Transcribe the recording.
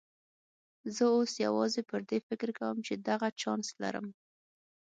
زه اوس یوازې پر دې فکر کوم چې دغه چانس لرم.